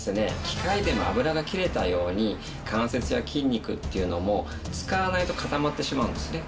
機械でも油が切れたように関節や筋肉っていうのも使わないと固まってしまうんですね。